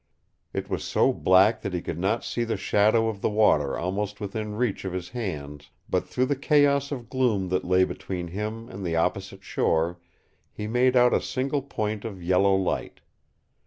It was so black that he could not see the shadow of the water almost within reach of his hands, but through the chaos of gloom that lay between him and the opposite shore he made out a single point of yellow light.